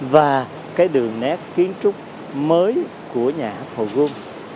và cái đường nét kiến trúc mới của nhà hát hồ gươm